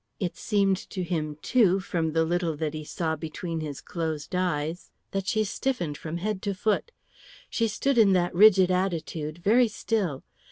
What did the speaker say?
It seemed to him, too, from the little that he saw between his closed eyes, that she stiffened from head to foot. She stood in that rigid attitude, very still.